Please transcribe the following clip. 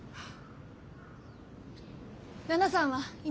奈々さんは今。